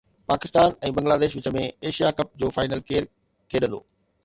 پاڪستان ۽ بنگلاديش وچ ۾ Asia cup جو final ڪير کيڏندو؟